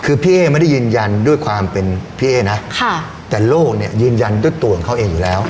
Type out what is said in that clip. คือพี่เอ๊ไม่ได้ยืนยันด้วยความเป็นพี่เอ๊นะแต่โลกเนี่ยยืนยันด้วยตัวของเขาเองอยู่แล้ว